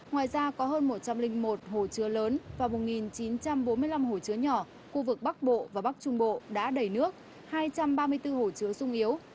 ngoài ra có hơn một trăm linh một hồ chứa lớn và một chín trăm bốn mươi năm hồ chứa nhỏ khu vực bắc bộ và bắc trung bộ đã đầy nước hai trăm ba mươi bốn hồ chứa sung yếu